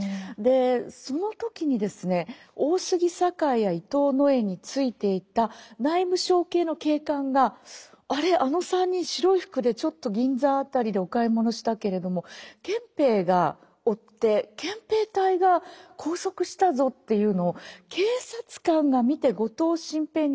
その時にですね大杉栄や伊藤野枝についていた内務省系の警官があれあの３人白い服でちょっと銀座辺りでお買い物したけれども憲兵が追って憲兵隊が拘束したぞっていうのを警察官が見て後藤新平に伝えるんです。